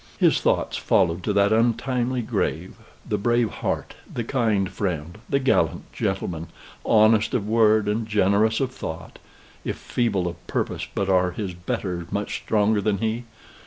His thoughts followed to that untimely grave, the brave heart, the kind friend, the gallant gentleman, honest of word and generous of thought, (if feeble of purpose, but are his betters much stronger than he?)